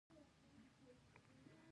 له یوه او بل سره نښتي.